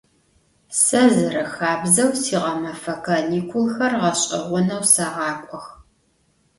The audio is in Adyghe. Se zerexabzeu siğemefe kanikulxer ğeş'eğoneu seğak'ox.